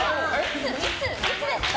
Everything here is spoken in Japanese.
いつですか？